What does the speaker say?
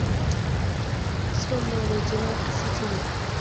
Somo weche mag sitima,